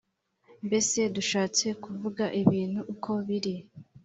Mbese dushatse kuvuga ibintu uko biri